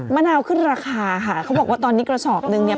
มะนาวขึ้นราคาค่ะเขาบอกว่าตอนนี้กระสอบนึงเนี่ย